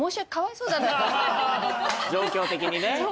状況的にね。